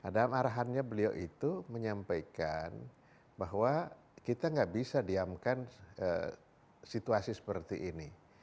dan arahannya beliau itu menyampaikan bahwa kita gak bisa diamkan situasi seperti ini